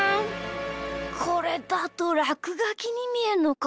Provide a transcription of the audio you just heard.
これだとらくがきにみえるのか。